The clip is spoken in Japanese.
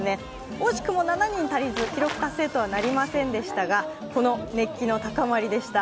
惜しくも７人足りず記録達成とはなりませんでしたがこの熱気の高まりでした。